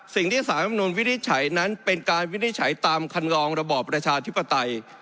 สิ่งที่สารรัฐมนุนวินิจฉัยนั้นเป็นการวินิจฉัยตามคันลองระบอบประชาธิปไตย